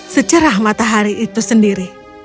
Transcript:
secerah matahari itu sendiri